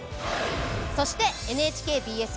そしてＮＨＫＢＳ